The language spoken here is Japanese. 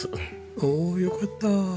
おおよかった。